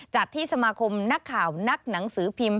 จัดที่สมาคมนักข่าวนักหนังสือพิมพ์